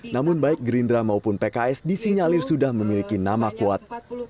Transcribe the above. namun baik gerindra maupun pks disinyalir sudah memiliki nama kuat